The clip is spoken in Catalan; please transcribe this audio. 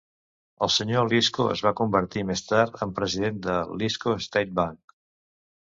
El senyor Lisco es va convertir més tard en president del Lisco State Bank.